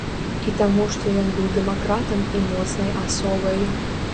І таму што ён быў дэмакратам і моцнай асобай.